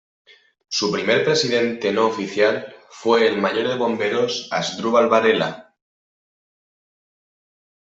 Su primer presidente no oficial fue el Mayor de Bomberos Asdrúbal Varela.